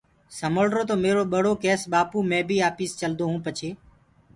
سمݪرو تو ميرو ٻڙو ڪيس ڪي ٻآپو مي بيٚ آپيس چلدون پڇي